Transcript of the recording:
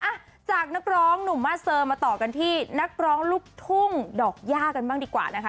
อ่ะจากนักร้องหนุ่มมาเซอร์มาต่อกันที่นักร้องลูกทุ่งดอกย่ากันบ้างดีกว่านะคะ